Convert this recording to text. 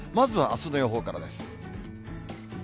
まずはあすの予報からです。